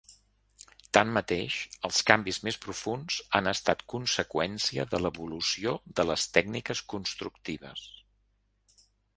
Tanmateix, els canvis més profunds han estat conseqüència de l'evolució de les tècniques constructives.